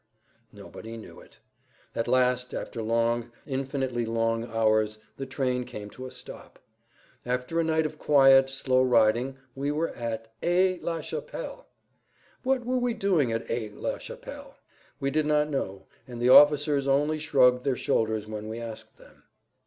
Nobody knew it. At last, after long, infinitely long hours the train came to a stop. After a night of quiet, slow riding we were at—Aix la Chapelle! At Aix la Chapelle! What were we doing at Aix la Chapelle? We did not know, and the officers only shrugged their shoulders when we asked them.